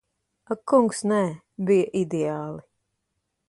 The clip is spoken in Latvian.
Ak kungs, nē. Bija ideāli.